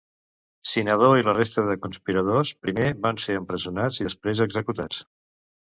Cinadó i la resta de conspiradors primer van ser empresonats i, després, executats.